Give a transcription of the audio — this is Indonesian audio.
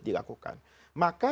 jadi saya harus melakukan